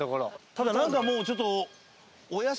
ただ何かもうちょっとそうです。